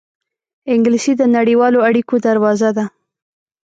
انګلیسي د نړیوالو اړېکو دروازه ده